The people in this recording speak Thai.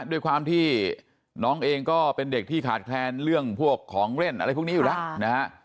ด้วยความที่น้องเองก็เป็นเด็กที่ขาดแคลนเรื่องพวกของเล่นอะไรพวกนี้อยู่แล้วนะฮะ